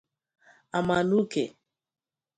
Amanuke